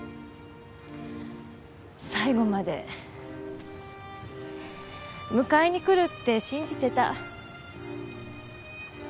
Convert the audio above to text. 最後まで迎えに来るって信じてた。